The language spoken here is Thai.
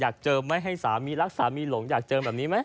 เจอไหมให้สามีรักสามีหลงอยากเจอแบบนี้ไหม